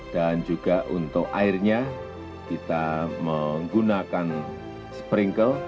dan juga untuk airnya kita menggunakan sprinkle